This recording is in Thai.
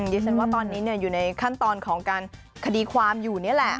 ดิฉันว่าตอนนี้อยู่ในขั้นตอนของการคดีความอยู่นี่แหละ